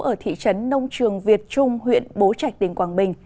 ở thị trấn nông trường việt trung huyện bố trạch tỉnh quảng bình